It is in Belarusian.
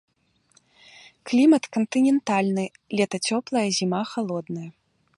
Клімат кантынентальны, лета цёплае, зіма халодная.